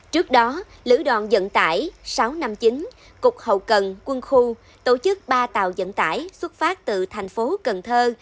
trước đó lữ đoàn dẫn tải sáu trăm năm mươi chín cục hậu cần quân khu tổ chức ba tàu dẫn tải xuất phát từ thành phố cần thơ